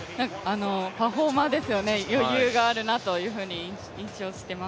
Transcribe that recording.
パフォーマーですよね、余裕があるなという印象です。